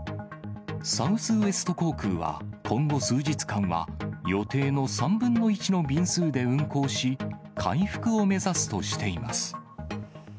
サウスウエスト航空は、今後数日間は、予定の３分の１の便数で運航し、回復を目指すとしています。